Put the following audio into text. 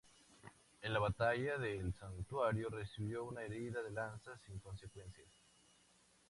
En la Batalla del Santuario recibió una herida de lanza, sin consecuencias.